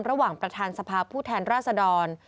ระหว่างประธานสภาพผู้แทนราษดร